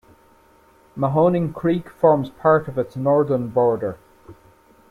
Mahoning Creek forms part of its northern border.